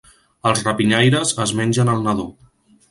Els rapinyaires es mengen el nadó.